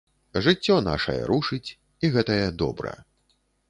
Жыццё нашае рушыць і гэтае добра.